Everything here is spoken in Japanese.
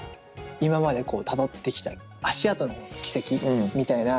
今までこうたどってきた足跡の方の「軌跡」みたいな。